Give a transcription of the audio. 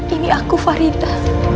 ini aku farita